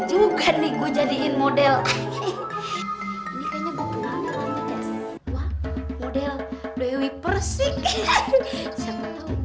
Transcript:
juga nih gua jadiin model model dewi persik